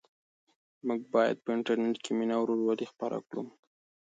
موږ باید په انټرنيټ کې مینه او ورورولي خپره کړو.